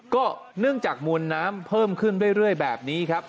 ก็เนื่องจากมวลน้ำเพิ่มขึ้นเรื่อยแบบนี้ครับ